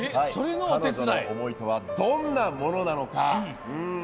彼女の思いとはどんなものなのか。